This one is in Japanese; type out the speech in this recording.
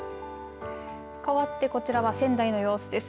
かわってこちらは仙台の様子です。